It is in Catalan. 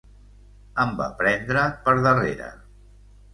Em va prendre per darrere.